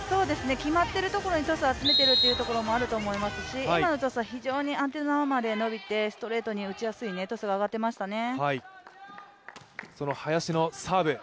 決まっているところにトスを集めているというところもあると思いますし、今のトスは非常にアンテナまで伸びてストレートに打ちやすいネット数が上がっていましたね。